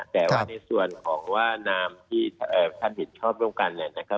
แต่ว่าในส่วนแนมที่ผ้านผิดชอบโรงการ